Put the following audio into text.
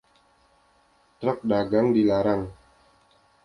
Truk dagang dilarang.